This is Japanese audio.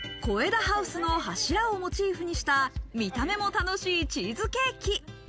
コエダハウスの柱をモチーフにした、見た目も楽しいチーズケーキ。